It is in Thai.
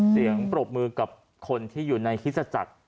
เสียงปรบมือกับคนที่อยู่ในฮิสจักร